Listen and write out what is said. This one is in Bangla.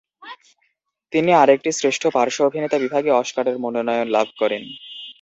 তিনি আরেকটি শ্রেষ্ঠ পার্শ্ব অভিনেতা বিভাগে অস্কারের মনোনয়ন লাভ করেন।